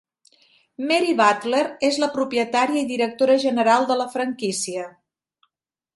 Mary Butler és la propietària i directora general de la franquícia.